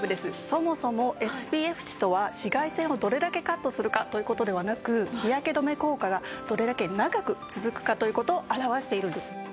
そもそもＳＰＦ値とは紫外線をどれだけカットするかという事ではなく日焼け止め効果がどれだけ長く続くかという事を表しているんです。